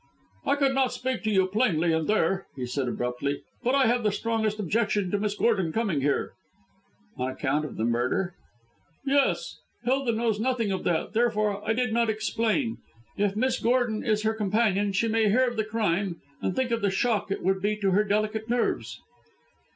"I could not speak to you plainly, in there," he said abruptly, "but I have the strongest objection to Miss Gordon coming here." "On account of the murder?" "Yes. Hilda knows nothing of that, therefore I did not explain. If Miss Gordon is her companion, she may hear of the crime; and think of the shock it would be to her delicate nerves!"